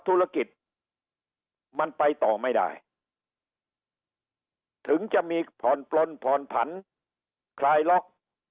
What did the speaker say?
ธุรกิจมันไปต่อไม่ได้ถึงจะมีผ่อนปลนผ่อนผันคลายล็อก